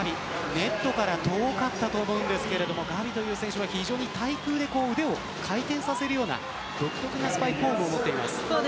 ネットから遠かったと思いますがガビという選手は対空で腕を回転させるような独特のスパイク方法を持っています。